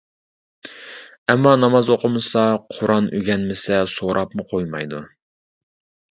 ئەمما ناماز ئوقۇمىسا، قۇرئان ئۆگەنمىسە سوراپمۇ قويمايدۇ.